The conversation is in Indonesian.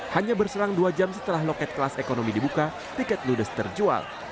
hanya berserang dua jam setelah loket kelas ekonomi dibuka tiket ludes terjual